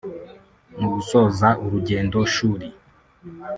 Mu gusoza urugendo shuri